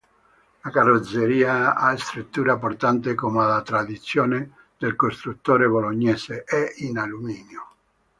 La carrozzeria, a struttura portante come da tradizione del costruttore bolognese, è in alluminio.